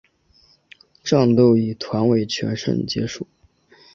战斗以团派全胜结束。